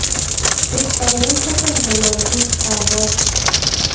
Цӏыху къарууншэхэм зэман гугъу къагъэщӏ.